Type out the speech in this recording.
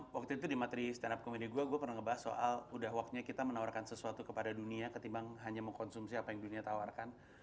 waktu itu di materi stand up komedi gue gue pernah ngebahas soal udah waktunya kita menawarkan sesuatu kepada dunia ketimbang hanya mengkonsumsi apa yang dunia tawarkan